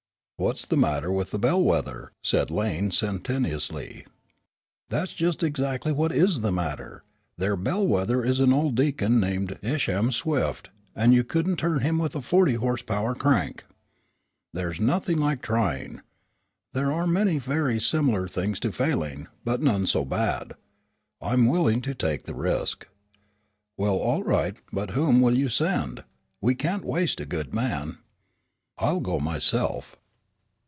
"What's the matter with the bellwether?" said Lane sententiously. "That's just exactly what is the matter. Their bellwether is an old deacon named Isham Swift, and you couldn't turn him with a forty horsepower crank." "There's nothing like trying." "There are many things very similar to failing, but none so bad." "I'm willing to take the risk." "Well, all right; but whom will you send? We can't waste a good man." "I'll go myself."